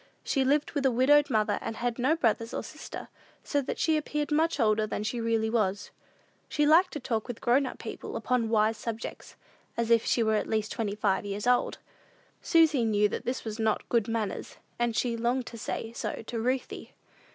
She lived with a widowed mother, and had no brothers and sisters, so that she appeared much older than she really was. She liked to talk with grown people upon wise subjects, as if she were at least twenty five years old. Susy knew that this was not good manners, and she longed to say so to Ruthie.